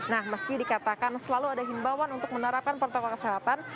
nah meski dikatakan selalu ada himbawan untuk menerapkan protokol kesehatan